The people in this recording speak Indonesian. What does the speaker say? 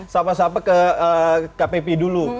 sapa sapa ke kak pepi dulu